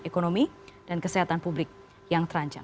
ekonomi dan kesehatan publik yang terancam